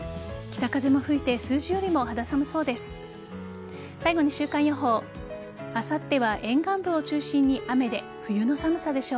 北風も吹いて数字よりも肌寒そうです。